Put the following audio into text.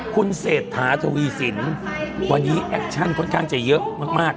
คุณเศรษฐาทวีสินวันนี้แอคชั่นค่อนข้างจะเยอะมาก